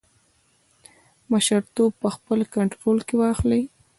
مشرتوب په خپل کنټرول کې واخلي.